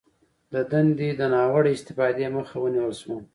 د دندې د ناوړه استفادې مخه ونیول شوه